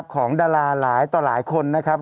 ของดาราหลายต่อหลายคนนะครับ